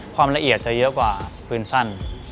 ความละเอียดจะเยอะกว่าปืนสั้น